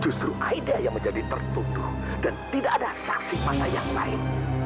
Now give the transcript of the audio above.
justru aida yang menjadi tertutup dan tidak ada saksi mata yang lain